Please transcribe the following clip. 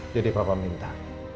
jadi papa minta